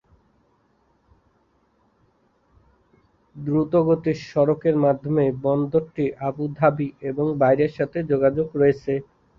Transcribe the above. দ্রুতগতির সড়কের মাধ্যমে বন্দরটির আবু ধাবি এবং বাইরের সাথে সংযোগ রয়েছে।